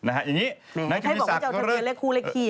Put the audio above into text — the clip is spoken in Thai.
อย่างนี้ในที่วิศักดิ์ก็เลิก